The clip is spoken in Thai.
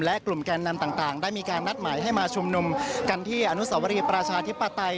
และกลุ่มแกนนำต่างได้มีการนัดหมายให้มาชุมนุมกันที่อนุสวรีประชาธิปไตย